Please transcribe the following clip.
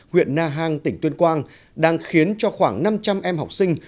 huyện na hàng tỉnh tuyên quang đang khiến cho khoảng năm trăm linh em học sinh